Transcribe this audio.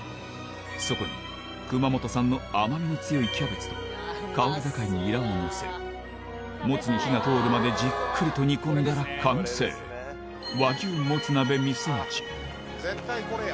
そこに熊本産の甘みの強いキャベツと香り高いニラをのせモツに火が通るまでじっくりと煮込んだら完成絶対これや！